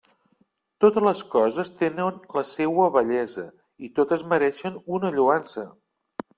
Totes les coses tenen la seua bellesa i totes mereixen una lloança.